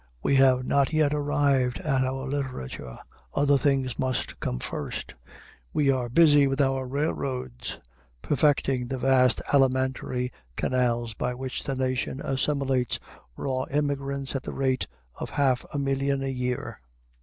We have not yet arrived at our literature, other things must come first; we are busy with our railroads, perfecting the vast alimentary canal by which the nation assimilates raw immigrants at the rate of half a million a year.